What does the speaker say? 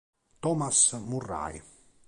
Thomas Murray